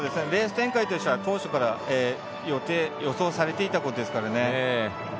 レース展開としては当初から予想されていたことですからね。